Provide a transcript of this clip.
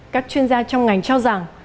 các chuyên gia trong ngành cho rằng